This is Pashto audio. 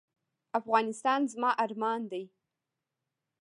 افغانستان زما ارمان دی